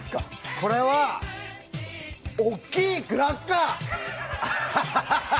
これは大きいクラッカー！